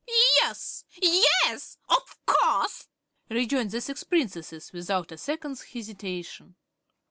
"Yes, yes; of course!" rejoined the six Princesses, without a second's hesitation.